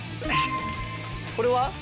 これは？